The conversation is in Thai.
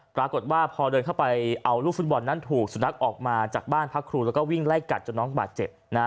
ปรากฏว่าพอเดินเข้าไปเอาลูกฟุตบอลนั้นถูกสุนัขออกมาจากบ้านพักครูแล้วก็วิ่งไล่กัดจนน้องบาดเจ็บ